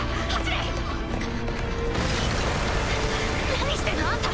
何してんのあんた！